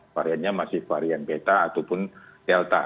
variannya masih varian beta ataupun delta